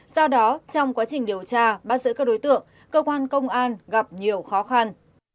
do đó trong quá trình điều tra bắt giữ các đối tượng cơ quan công an gặp nhiều khó khăn